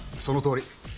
そのとおり。